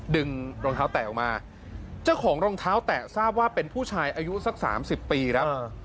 ดึงรองเท้าแตะออกมาเจ้าของรองเท้าแตะทราบว่าเป็นผู้ชายอายุสักสามสิบปีครับ